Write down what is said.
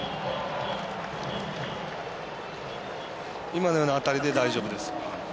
今のような当たりで大丈夫です。